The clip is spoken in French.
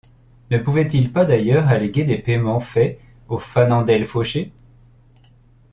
Ne pouvait-il pas d’ailleurs alléguer des payements faits aux fanandels fauchés?